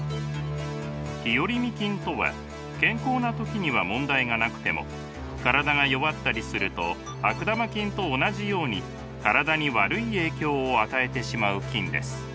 日和見菌とは健康な時には問題がなくても体が弱ったりすると悪玉菌と同じように体に悪い影響を与えてしまう菌です。